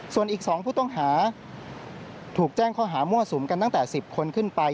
ส่วนอีก๒ผู้ต้องหาถูกแจ้งข้อหามั่วสุมกันตั้งแต่๑๐คนขึ้นไป